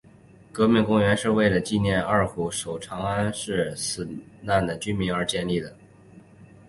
革命公园是为了纪念二虎守长安事件中死难的军民而建立的。